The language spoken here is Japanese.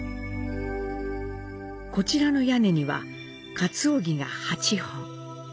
こちらの屋根には鰹木が８本。